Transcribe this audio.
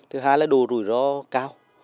thứ hai là đủ rủi ro cao